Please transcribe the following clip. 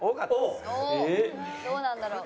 おっどうなんだろう？